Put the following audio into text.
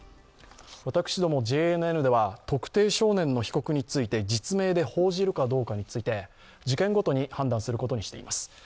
私どもＪＮＮでは、特定少年の被告について、実名で報じるかどうかについて事件ごとに判断することにしています。